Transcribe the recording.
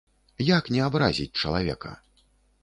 Як не абразіць чалавека?